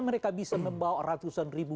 mereka bisa membawa ratusan ribu